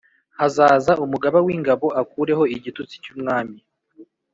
Hazaza umugaba w’ingabo akureho igitutsi cy’umwami